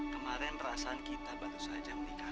kemarin perasaan kita baru saja menikah